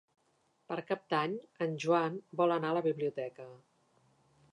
Per Cap d'Any en Joan vol anar a la biblioteca.